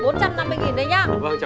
vâng cháu cảm ơn cô ạ